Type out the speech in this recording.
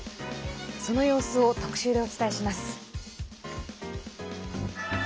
その様子を特集でお伝えします。